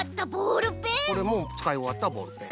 つかいおわったボールペン。